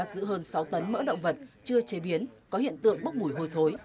giữ hơn sáu tấn mỡ động vật chưa chế biến có hiện tượng bốc mùi hôi thối